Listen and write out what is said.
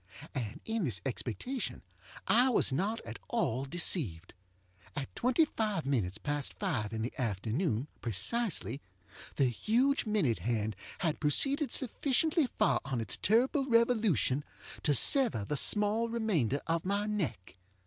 And in this expectation I was not at all deceived. At twenty five minutes past five in the afternoon, precisely, the huge minute hand had proceeded sufficiently far on its terrible revolution to sever the small remainder of my neck.